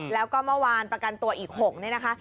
แล้วก็เมื่อวานประกันตัวอีก๖เนี่ยนะคะ